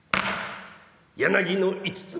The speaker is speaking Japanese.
柳の五つ